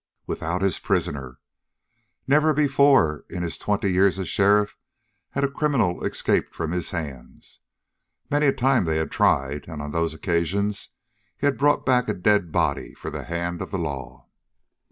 Without his prisoner! Never before in his twenty years as sheriff had a criminal escaped from his hands. Many a time they had tried, and on those occasions he had brought back a dead body for the hand of the law.